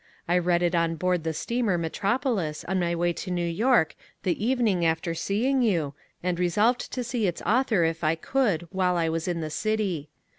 I read it on board the steamer Metropolis on my way to New York the evening after seeing you, and resolved to see its author if I could while I was in the city.